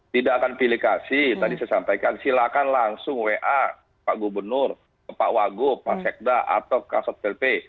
tidak akan pilih kasih tadi saya sampaikan silakan langsung wa pak gubernur pak wagup pak sekda atau kasat plp